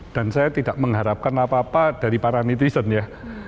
dan saya tidak mengharapkan apa apa dari para netizen ya